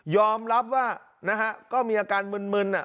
ยอมรับว่านะฮะก็มีอาการมึนมึนอ่ะ